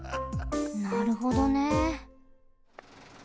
なるほどね。